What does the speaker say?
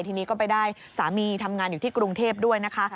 ทีนี้ก็ไปได้สามีทำงานอยู่ที่กรุงเทพด้วยนะคะ